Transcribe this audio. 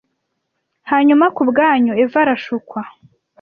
hanyuma kubwa nyuma eva arashukwa